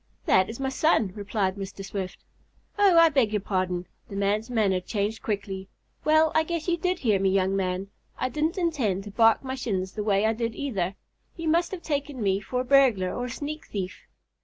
"That is my son," replied Mr. Swift. "Oh, I beg your pardon." The man's manner changed quickly. "Well, I guess you did hear me, young man. I didn't intend to bark my shins the way I did, either. You must have taken me for a burglar or a sneak thief."